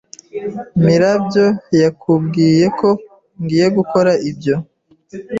mirabyo yakubwiye ko ngiye gukora ibyo?